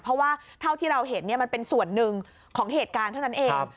เพราะว่าเท่าที่เราเห็นมันเป็นส่วนหนึ่งของเหตุการณ์เท่านั้นเอง